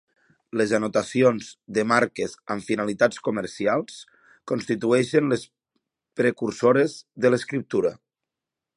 Les anotacions de marques amb finalitats comercials constitueixen les precursores de l'escriptura.